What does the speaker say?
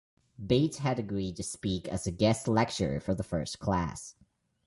Bates had agreed to speak as a guest lecturer for the first class.